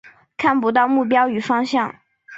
看不到目标与方向